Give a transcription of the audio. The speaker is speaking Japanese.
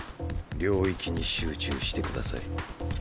領域に集中してください。